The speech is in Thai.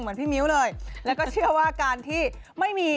พี่มิ้วเลยแล้วก็เชื่อว่าการที่ไม่มี